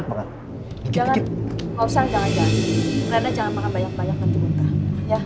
rena jangan makan banyak banyak nanti minta